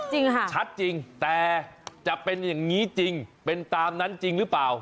จริงค่ะชัดจริงแต่จะเป็นอย่างนี้จริงเป็นตามนั้นจริงหรือเปล่า